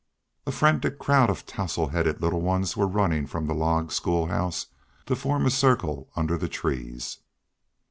A frantic crowd of tousled headed little ones were running from the log school house to form a circle under the trees.